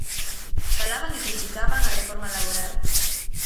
Falaban e criticaban a reforma laboral.